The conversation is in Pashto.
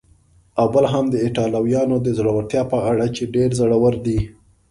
او بل هم د ایټالویانو د زړورتیا په اړه چې ډېر زړور دي.